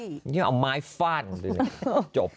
อันนี้ไงเอาไม้ฟาดหน่อยจบ